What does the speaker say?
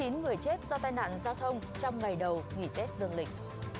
hai mươi chín người chết do tai nạn giao thông trong ngày đầu nghỉ tết dương lịch